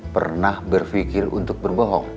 pernah berpikir untuk berbohong